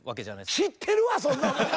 知ってるわそんなもん！